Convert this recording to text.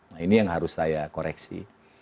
nah ini yang harus saya koreksi